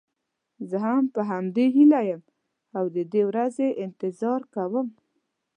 زه هم په همدې هیله یم او د دې ورځې انتظار کوم.